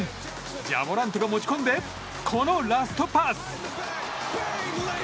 ジャ・モラントが持ち込んでこのラストパス。